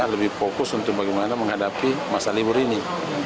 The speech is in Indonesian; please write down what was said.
lebih fokus untuk bagaimana menghadapi masa libur ini